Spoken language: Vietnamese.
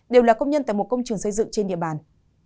đều là công nhân tại một công trường xây dựng trên địa bàn